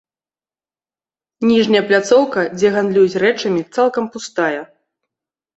Ніжняя пляцоўка, дзе гандлююць рэчамі, цалкам пустая.